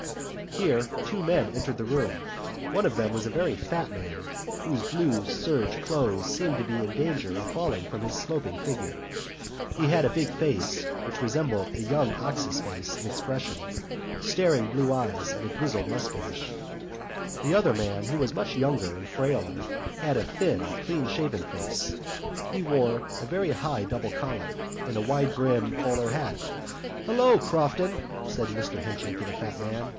Here two men entered the room. One of them was a very fat man whose blue serge clothes seemed to be in danger of falling from his sloping figure. He had a big face which resembled a young ox's face in expression, staring blue eyes and a grizzled moustache. The other man, who was much younger and frailer, had a thin, clean shaven face. He wore a very high double collar and a wide brimmed bowler hat. "Hello, Crofton!" said Mr Henchy to the fat man.